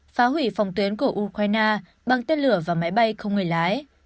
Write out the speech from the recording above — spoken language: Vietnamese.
phá hủy phòng tuyến của ukraine bằng tên lửa và máy bay không người lái